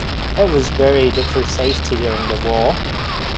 It was buried for safety during the war.